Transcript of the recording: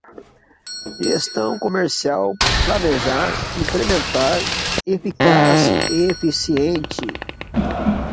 gestão comercial, planejar, implementar, eficaz, eficiente